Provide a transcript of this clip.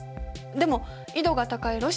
でも緯度が高い